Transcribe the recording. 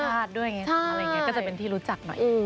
ก็จะเป็นที่รู้จักหน่อย